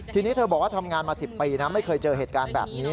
ทีนี้เธอบอกว่าทำงานมา๑๐ปีนะไม่เคยเจอเหตุการณ์แบบนี้